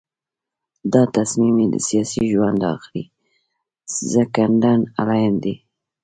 دا تصمیم یې د سیاسي ژوند د آخري ځنکدن علایم دي.